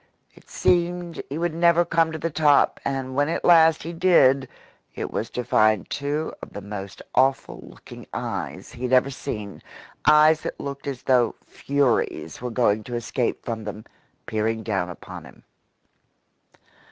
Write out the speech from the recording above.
It seemed he would never come to the top, and when at last he did it was to find two of the most awful looking eyes he had ever seen eyes that looked as though furies were going to escape from them peering down upon him.